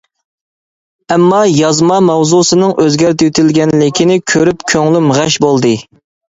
ئەمما، يازما ماۋزۇسىنىڭ ئۆزگەرتىۋېتىلگەنلىكىنى كۆرۈپ كۆڭلۈم غەش بولدى.